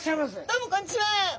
どうもこんにちは！